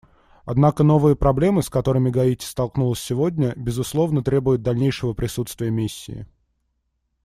Однако новые проблемы, с которыми Гаити столкнулась сегодня, безусловно, требуют дальнейшего присутствия Миссии.